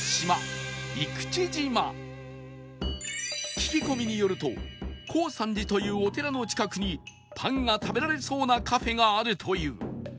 聞き込みによるとコウサンジというお寺の近くにパンが食べられそうなカフェがあるという